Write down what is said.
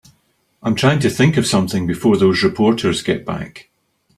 I'm trying to think of something before those reporters get back.